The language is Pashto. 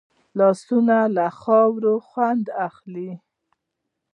لاسونه له خاورې خوند اخلي